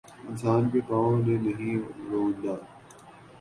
انسان کےپاؤں نے نہیں روندا